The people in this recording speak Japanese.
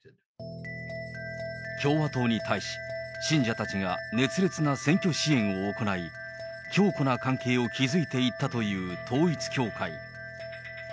共和党に対し、信者たちが熱烈な選挙支援を行い、強固な関係を築いていったという統一教会。